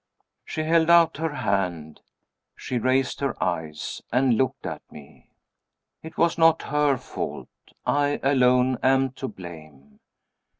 She held out her hand. She raised her eyes and looked at me. It was not her fault; I alone am to blame.